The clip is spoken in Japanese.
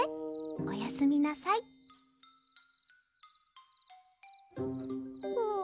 おやすみなさいぷん。